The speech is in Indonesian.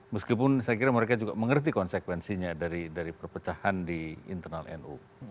meskipun saya kira mereka juga mengerti konsekuensinya dari perpecahan di internal nu